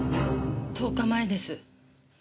１０日前です。